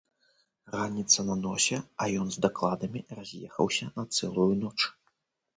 Раніца на носе, а ён з дакладамі раз'ехаўся на цэлую ноч.